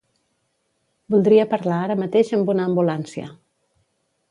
Voldria parlar ara mateix amb una ambulància.